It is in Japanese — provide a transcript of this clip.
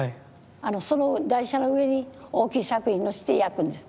その台車の上に大きい作品のせて焼くんです。